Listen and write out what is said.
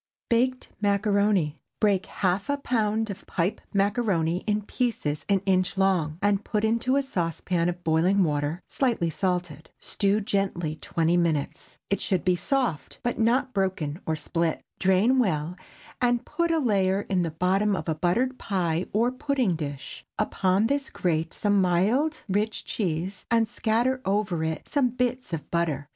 BAKED MACARONI. ✠ Break half a pound of pipe macaroni in pieces an inch long, and put into a saucepan of boiling water slightly salted. Stew gently twenty minutes. It should be soft, but not broken or split. Drain well and put a layer in the bottom of a buttered pie or pudding dish; upon this grate some mild, rich cheese, and scatter over it some bits of butter.